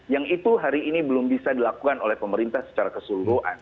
yang itu hari ini belum bisa dilakukan oleh pemerintah secara keseluruhan